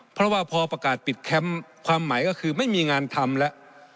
เพราะว่าพอประกาศปิดแคมป์ความหมายก็คือไม่มีงานทำแล้ว